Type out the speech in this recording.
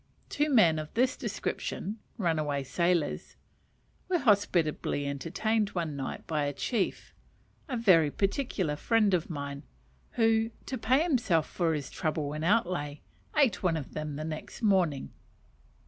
Two men of this description (runaway sailors) were hospitably entertained one night by a chief, a very particular friend of mine, who, to pay himself for his trouble and outlay, ate one of them next morning.